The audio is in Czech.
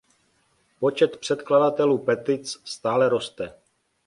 Počet předkladatelů petic stále roste.